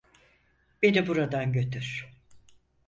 Beni buradan götür.